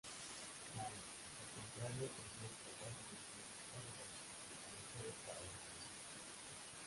Mike, al contrario, consigue escapar y decide buscar a los malhechores para vengarse...